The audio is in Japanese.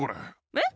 えっ？